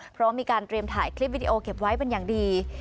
เพราะมีการเตรียมถ่ายคลิปวิดีโอเก็บไว้เป็นอย่างดี